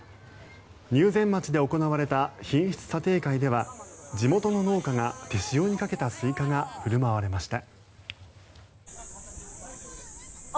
入善町で行われた品質査定会では地元の農家が手塩にかけたスイカが振る舞われました。